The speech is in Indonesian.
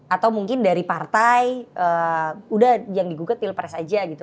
atau mungkin dari partai udah yang digugat pilpres aja gitu